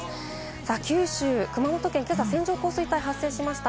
九州の熊本県、今朝、線状降水帯が発生しました。